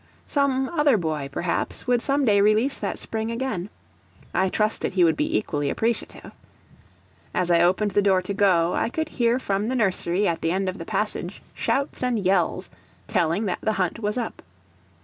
Some other boy, perhaps, would some day release that spring again. I trusted he would be equally appreciative. As I opened the door to go, I could hear from the nursery at the end of the passage shouts and yells, telling that the hunt was up.